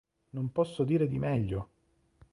Non posso dire di meglio!